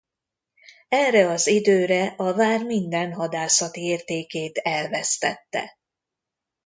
Erre az időre a vár minden hadászati értékét elvesztette.